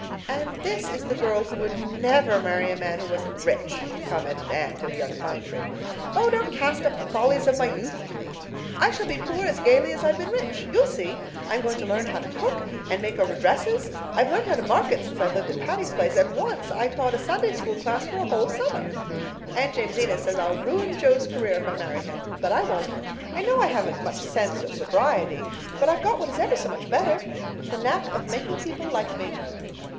"And this is the girl who would never marry a man who wasn't rich," commented Anne to a young pine tree. "Oh, don't cast up the follies of my youth to me. I shall be poor as gaily as I've been rich. You'll see. I'm going to learn how to cook and make over dresses. I've learned how to market since I've lived at Patty's Place; and once I taught a Sunday School class for a whole summer. Aunt Jamesina says I'll ruin Jo's career if I marry him. But I won't. I know I haven't much sense or sobriety, but I've got what is ever so much better—the knack of making people like me.